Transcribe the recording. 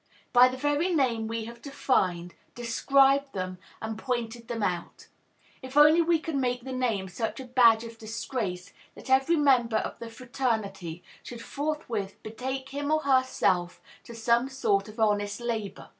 By the very name we have defined, described them, and pointed them out. If only we could make the name such a badge of disgrace that every member of the fraternity should forthwith betake him or herself to some sort of honest labor!